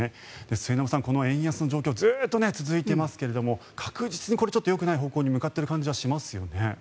末延さん、この円安の状況ずっと続いていますけれども確実によくない方向に向かっている感じはしますよね。